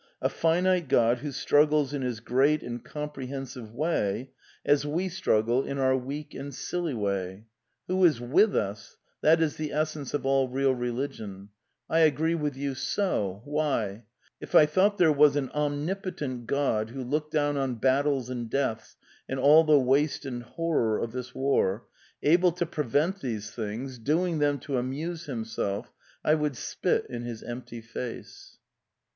... A finite God who struggles in his great and comprehensive way as we struggle in 144 A DEFENCE OF IDEALISM our weak and silly way — Who is with us — that is the essence of all real religion. ... I agree with you so — Why! if I thought there was an omnipotent God who looked down on battles and deaths and all the waste and horror of this war — able to prevent these things — doing them to amuse himself — I would spit in his empty face.